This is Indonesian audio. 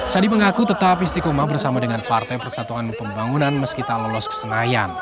sandi mengaku tetap istikamah bersama dengan partai persatuan pembangunan meskipun lulus kesenayan